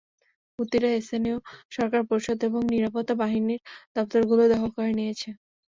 হুতিরা স্থানীয় সরকার পরিষদ এবং নিরাপত্তা বাহিনীর দপ্তরগুলো দখল করে নিয়েছে।